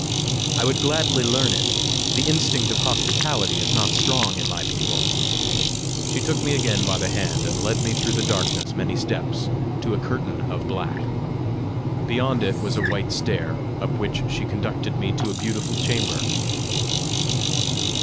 "I would gladly learn it! The instinct of hospitality is not strong in my people!" She took me again by the hand, and led me through the darkness many steps to a curtain of black. Beyond it was a white stair, up which she conducted me to a beautiful chamber.